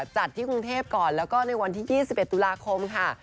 จัดที่กรุงเทพก่อนแล้วก็ในวันที่๒๑ตุลาคมค่ะ